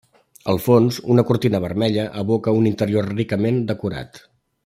Al fons, una cortina vermella evoca un interior ricament decorat.